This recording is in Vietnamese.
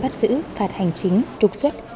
bắt giữ phạt hành chính trục xuất